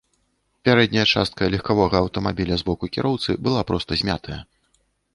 Пярэдняя частка легкавога аўтамабіля з боку кіроўцы была проста змятая.